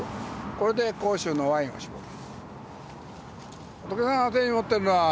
これで甲州のワインを搾る。